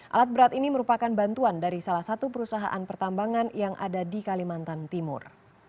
alat berat ini merupakan bantuan dari salah satu perusahaan pertambangan yang ada di kalimantan timur